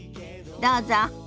どうぞ。